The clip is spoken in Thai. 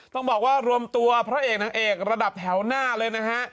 ต้องบอกว่ารวมตัวพระเอกนางเอกระดับแถวหน้าเลยนะฮะ